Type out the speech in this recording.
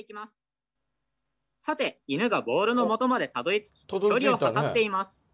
さて犬がボールのもとまでたどりつき距離を測っています。